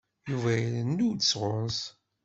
Yuba irennu-d sɣur-s.